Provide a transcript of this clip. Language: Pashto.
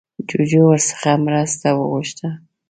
جوجو ورڅخه مرسته وغوښته